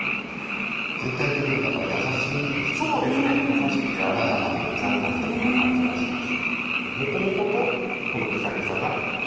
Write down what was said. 優しくてやわらかくて南国的な感じがします。